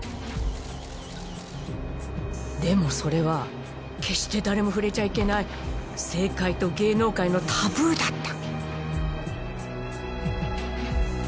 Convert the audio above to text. でもそれは決して誰も触れちゃいけない政界と芸能界のタブーだった。